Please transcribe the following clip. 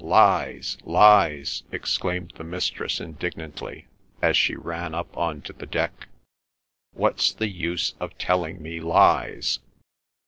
Lies! Lies!" exclaimed the mistress indignantly, as she ran up on to the deck. "What's the use of telling me lies?"